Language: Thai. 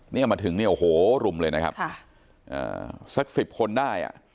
เนี่ยมาถึงเนี่ยโอ้โหรุมเลยนะครับค่ะอ่าสักสิบคนได้อ่ะ